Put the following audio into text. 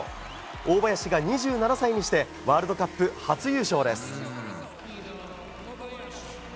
大林が２７歳にしてワールドカップ初優勝です。